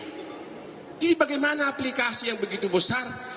jadi bagaimana aplikasi yang begitu besar